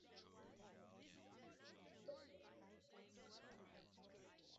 The perianth tube is about long with lobes about long.